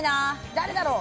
誰だろう？